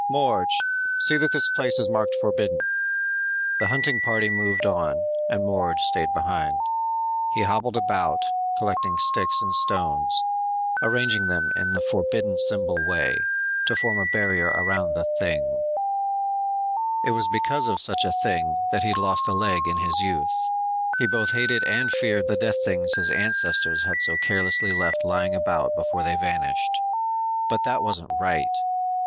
"Morge! See that this place is marked forbidden." The hunting party moved on and Morge stayed behind. He hobbled about, collecting sticks and stones, arranging them in the "forbidden symbol" way to form a barrier around the 'thing. It was because of such a 'thing that he'd lost a leg in his youth. He both hated and feared the death things his ancestors had so carelessly left lying about before they vanished. But that wasn't right.